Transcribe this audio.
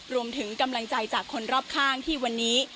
รวมถึงกำลังใจจากคนรอบข้างที่วันนี้